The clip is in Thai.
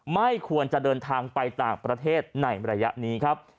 ไม่ควรจะเดินทางไปต่างประเทศในระยะนี้ครับ